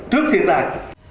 trước thiên tai